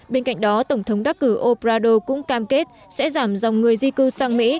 bên cạnh đó tổng thống đắc cử obrador cũng cam kết sẽ giảm dòng người di cư sang mỹ